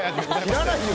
知らないよ。